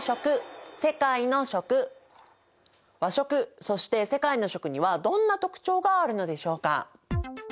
和食そして世界の食にはどんな特徴があるのでしょうか。